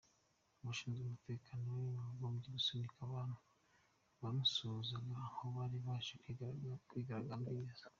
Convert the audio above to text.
Abashinzwe umutekano we bagombye gusunika abantu bamusuhuzaga aho bari baje kwigaragambiriza.